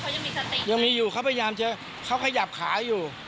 เขายังมีสติยังมีอยู่เขาพยายามจะเขาขยับขาอยู่